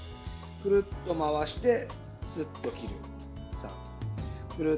くるっと回して、すっと切る。